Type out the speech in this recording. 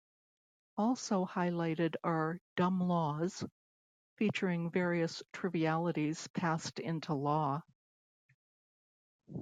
Also highlighted are "dumb laws", featuring various trivialities passed into law.